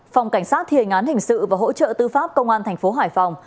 phòng cảnh sát thiền án hình sự và hỗ trợ tư pháp công an tp hải phòng